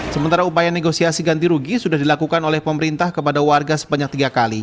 sementara upaya negosiasi ganti rugi sudah dilakukan oleh pemerintah kepada warga sebanyak tiga kali